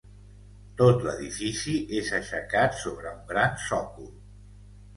Tot l'edifici és aixecat sobre un gran sòcol.